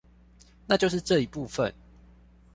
那就是這一部分